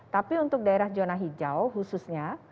tapi untuk daerah zona hijau khususnya